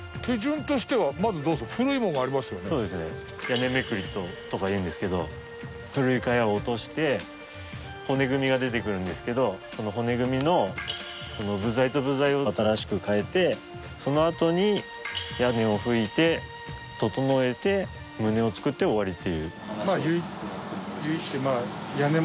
屋根めくりとかいうんですけど古い茅を落として骨組みが出てくるんですけどその骨組みの部材と部材を新しく替えてそのあとに屋根を葺いて整えて棟を作って終わりっていう。